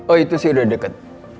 oh itu sih udah deket